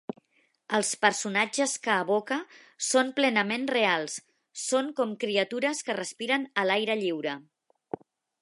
Els personatges que evoca són plenament reals, són com criatures que respiren a l’aire lliure.